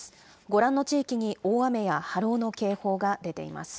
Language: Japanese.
ご覧の地域に大雨や波浪の警報が出ています。